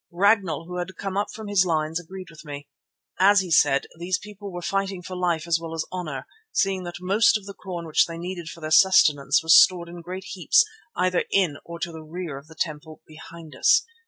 Ragnall, who had come up from his lines, agreed with me. As he said, these people were fighting for life as well as honour, seeing that most of the corn which they needed for their sustenance was stored in great heaps either in or to the rear of the temple behind us.